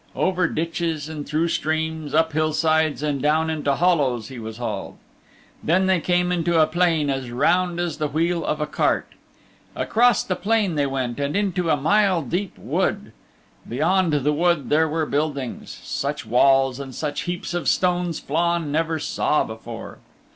Over ditches and through streams; up hillsides and down into hollows he was hauled. Then they came into a plain as round as the wheel of a cart. Across the plain they went and into a mile deep wood. Beyond the wood there were buildings such walls and such heaps of stones Flann never saw before.